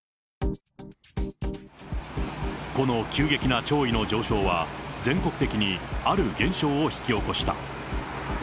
この急激な潮位の上昇は、全国的にある現象を引き起こした。